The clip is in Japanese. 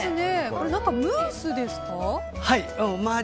これはムースですか？